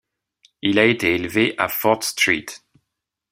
Il a été élevé à Fort St.